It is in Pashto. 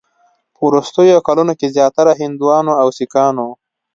په وروستیو کلونو کې زیاتره هندوانو او سیکانو